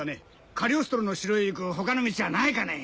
カリオストロの城へ行く他の道はないかね？